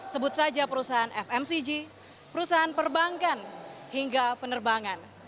sebut saja perusahaan fmcg perusahaan perbankan hingga penerbangan